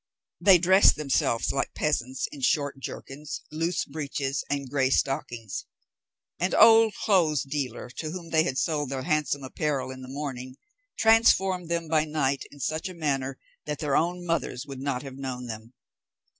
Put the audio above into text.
They dressed themselves like peasants in short jerkins, loose breeches, and gray stockings. An old clothes dealer, to whom they sold their handsome apparel in the morning, transformed them by night in such a manner that their own mothers would not have known them.